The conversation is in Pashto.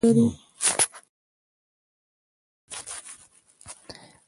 په افغانستان کې د اوبو سرچینې د خلکو د اعتقاداتو سره تړاو لري.